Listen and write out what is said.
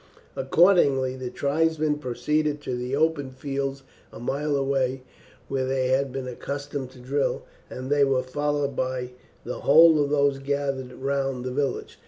Accordingly the tribesmen proceeded to the open fields a mile away, where they had been accustomed to drill, and they were followed by the whole of those gathered round the village.